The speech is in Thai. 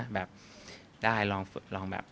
แบบได้ลองแบบ